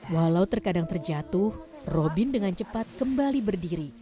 walau terkadang terjatuh robin dengan cepat kembali berdiri